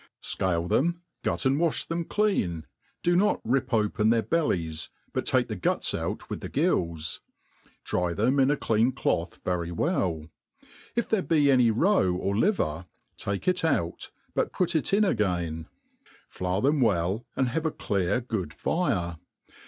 SCALE them, gut and wa(h them clean ; do not rip open their bellies, but take the guts out with the gills ; dry them iti a clean cloth very well : if there be any roe or liver, take it out, but put it in again ; flour them well, and have a clear good fire.